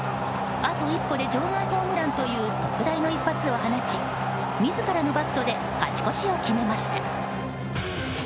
あと一歩で場外ホームランという特大の一発を放ち自らのバットで勝ち越しを決めました。